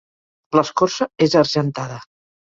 L'escorça és argentada.